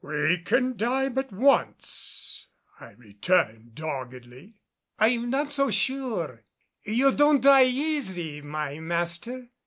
"We can die but once," I returned doggedly. "I'm not so sure. You don't die easy, my master.